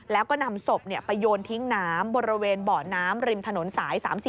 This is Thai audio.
แล้วก็นำศพไปโยนทิ้งน้ำบริเวณเบาะน้ำริมถนนสาย๓๔